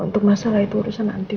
untuk masalah itu urusan nanti mas